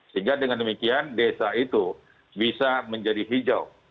sehingga dengan demikian desa itu bisa menjadi hijau